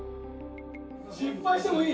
失敗してもいい！